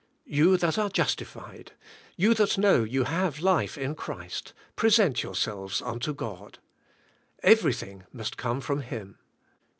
You that are justified, you that know you have life in Christ, present yourselves unto God. Everything must come from Him.